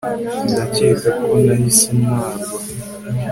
ndakeka ko nahise ntwarwa